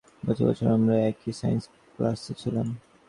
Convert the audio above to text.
গতবছর আমরা একই সায়েন্স ক্লাসে ছিলাম।